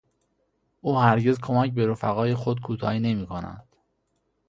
او هرگز کمک به رفقای خود کوتاهی نمیکند.